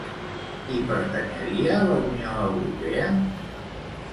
I pertanyeria a la Unió Europea?